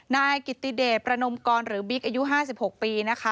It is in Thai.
นายกิติเดชประนมกรหรือบิ๊กอายุ๕๖ปีนะคะ